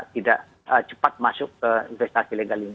tidak cepat masuk ke investasi legal ini